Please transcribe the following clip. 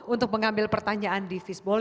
untuk mengambil pertanyaan di fishball